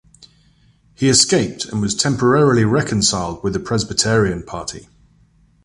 He escaped and was temporarily reconciled with the Presbyterian party.